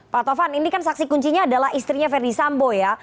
pak tovan ini kan saksi kuncinya adalah istrinya verdi sambo ya